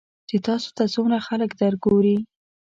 چې تاسو ته څومره خلک درګوري .